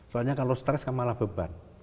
soalnya kalau stres kan malah beban